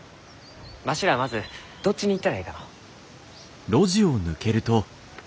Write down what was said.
わしらまずどっちに行ったらえいかのう？